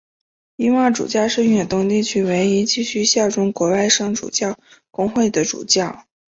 伊望主教是远东地区唯一继续效忠国外圣主教公会的主教。